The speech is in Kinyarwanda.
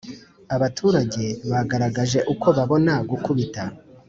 Abaturage bagaragaje uko babona gukubita